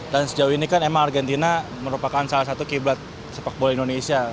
dan sejauh ini kan emang argentina merupakan salah satu kiblat sepak bola indonesia